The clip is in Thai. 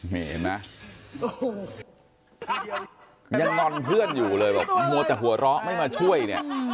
เห็นมั้ยยันนอนเพื่อนอยู่เลยมัวแต่หัวเราะไม่มาช่วยเนี่ย